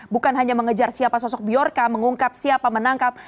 bukan hanya mengejar siapa sosok biorka mengungkap siapa menangkap